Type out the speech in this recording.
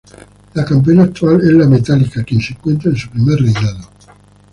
La campeona actual es La Metálica, quien se encuentra en su primer reinado.